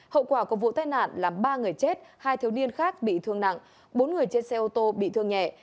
hậu quả của vụ tai nạn làm ba người chết hai thiếu niên khác bị thương nặng bốn người trên xe ô tô bị thương nhẹ